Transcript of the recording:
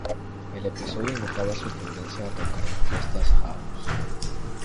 El episodio imitaba su tendencia a tocar en fiestas house.